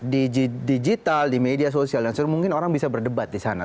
di digital di media sosial dan mungkin orang bisa berdebat di sana